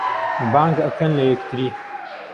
بانگ ئەکەن لە یەکتری